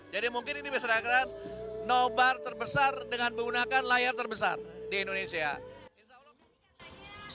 jadi mungkin ini bisa diangkat nobar terbesar dengan menggunakan layar terbesar di indonesia